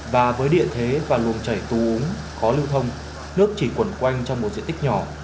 và với địa thế và luồng chảy tù úng khó lưu thông nước chỉ quần quanh trong một diện tích nhỏ